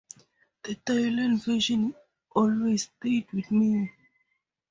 The Dylan version always stayed with me.